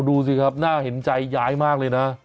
ดูสิครับน่าเห็นใจยายมากเลยนะ